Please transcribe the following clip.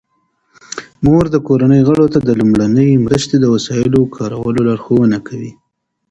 مور د کورنۍ غړو ته د لومړنۍ مرستې د وسایلو کارولو لارښوونه کوي.